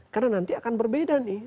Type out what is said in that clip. karena nanti akan berbeda nih